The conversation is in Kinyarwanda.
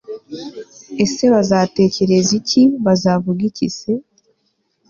ese bazatekereza iki bazavuga iki se